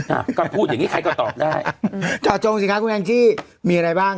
อ่ะก็พูดอย่างงี้ใครก็ตอบได้เจาะจงสิคะคุณแองจี้มีอะไรบ้าง